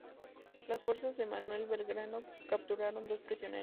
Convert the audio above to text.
Las fuerzas de Manuel Belgrano capturaron dos prisioneros.